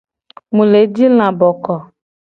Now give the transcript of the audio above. Mu le ji laboko.